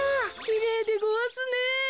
きれいでごわすね。